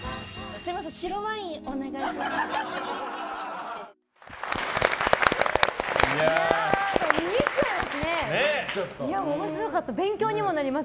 すみません、白ワインお願いします。